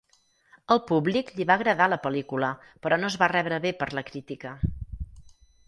Al públic li va agradar la pel·lícula, però no es va rebre bé per la crítica.